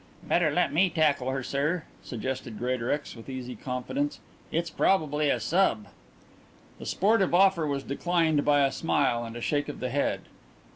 "Better let me tackle her, sir," suggested Greatorex with easy confidence. "It's probably a sub." The sportive offer was declined by a smile and a shake of the head.